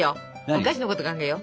お菓子のこと考えよう。